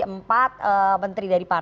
empat menteri dari partai